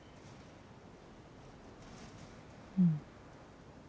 うん。